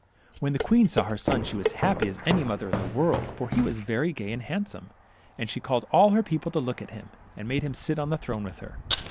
When the queen saw her son she was as happy as any mother in the world, for he was very gay and handsome, and she called all her people to look at him, and made him sit on the throne with her.